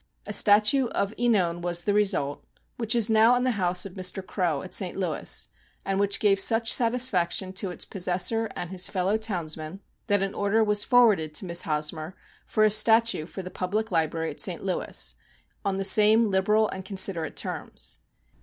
A statue of (Enone was the result, which is now in the house of Mr. Crow, at St. Louis, and which gave such satisfaction to its posses sor and his fellow townsmen, that an order was forwarded to Miss Hosmer for a statue for the public library at St. Louis, on the same liberal and considerate terms.